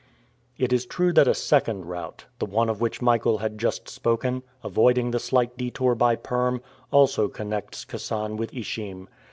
It is true that a second route the one of which Michael had just spoken avoiding the slight detour by Perm, also connects Kasan with Ishim.